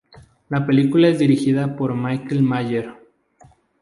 La película es dirigida por Michael Mayer.